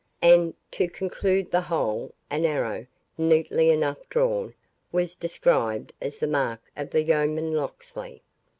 And, to conclude the whole, an arrow, neatly enough drawn, was described as the mark of the yeoman Locksley.